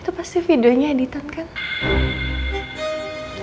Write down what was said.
itu pasti videonya editan kan